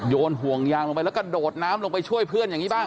ห่วงยางลงไปแล้วกระโดดน้ำลงไปช่วยเพื่อนอย่างนี้บ้าง